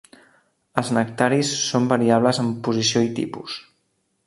Els nectaris són variables en posició i tipus.